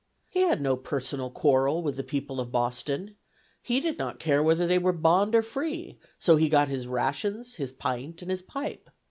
He had no personal quarrel with the people of Boston; he did not care whether they were bond or free, so he got his rations, his pint and his pipe.